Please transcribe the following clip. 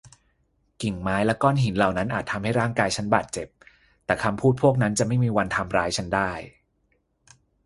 กิ่งไม้และก้อนหินเหล่านั้นอาจทำให้ร่างกายฉันบาดเจ็บ แต่คำพูดพวกนั้นจะไม่มีวันทำร้ายฉันได้